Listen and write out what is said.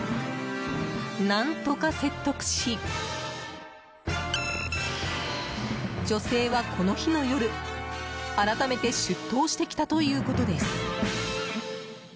何とか説得し、女性はこの日の夜改めて出頭してきたということです。